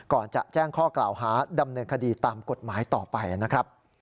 ก่อนจะแจ้งข้อกล่าวหาดำเนินคดีตามกฎหมายต่อไปนะครับ